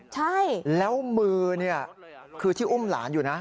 ใช่แล้วมือเนี่ยคือที่อุ้มหลานอยู่นะ